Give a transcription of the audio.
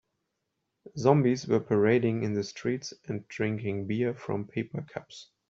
Zombies were parading in the streets and drinking beer from paper cups.